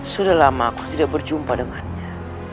sudah lama aku tidak berjumpa dengannya